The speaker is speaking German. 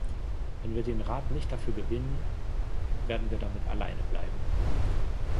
Wenn wir den Rat nicht dafür gewinnen, werden wir damit alleine bleiben!